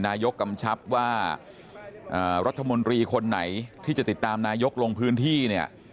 นายกกำชับว่ารัฐมนตรีคนไหนที่จะติดตามนายกลงพื้นที่เนี่ย